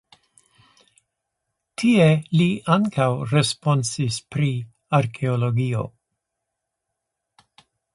Tie li ankaŭ responsis pri arkeologio.